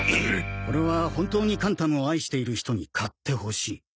これは本当にカンタムを愛している人に買ってほしい。